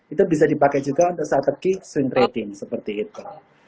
itu bisa dipakai juga untuk strategi swing rating seperti itu